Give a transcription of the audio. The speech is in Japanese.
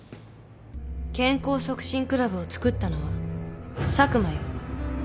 健康促進クラブをつくったのは佐久間よ。